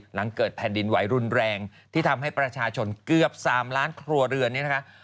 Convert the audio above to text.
หลังเกิดแผ่นดินไหวรุนแรงที่ทำให้ประชาชนเกือบ๓ล้านครัวเรือนเนี่ยนะคะ